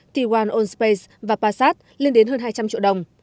t một t một allspace và passat lên đến hơn hai trăm linh triệu đồng